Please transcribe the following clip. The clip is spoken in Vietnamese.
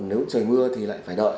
nếu trời mưa thì lại phải đợi